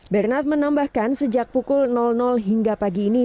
bernard menambahkan sejak pukul hingga pagi ini